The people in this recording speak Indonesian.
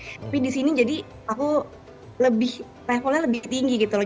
tapi di sini jadi aku lebih levelnya lebih tinggi gitu loh